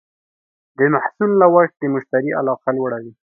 د محصول نوښت د مشتری علاقه لوړوي.